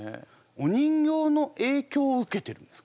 お人形の影響を受けてるんですか？